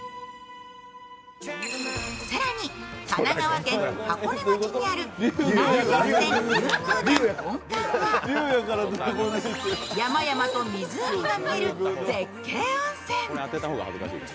更に、神奈川県箱根町にある日帰り温泉龍宮殿本館は山々と湖が見える絶景温泉。